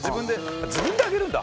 自分で上げるんだ。